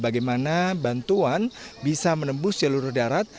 bagaimana bantuan bisa menembus jalur darat